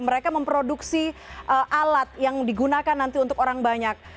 mereka memproduksi alat yang digunakan nanti untuk orang banyak